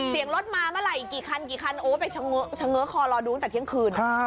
เสียงรถมาเมื่อไหร่อีกกี่คันไปเฉิงเงินคอรอดูตั้งแต่เที่ยงคืน